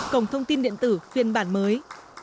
cộng thông tin điện tử phiên bản mới